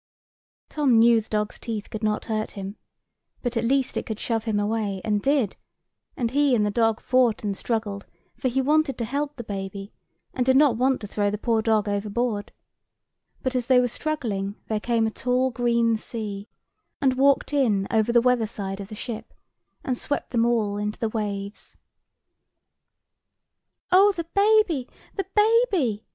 Tom knew the dog's teeth could not hurt him: but at least it could shove him away, and did; and he and the dog fought and struggled, for he wanted to help the baby, and did not want to throw the poor dog overboard: but as they were struggling there came a tall green sea, and walked in over the weather side of the ship, and swept them all into the waves. "Oh, the baby, the baby!"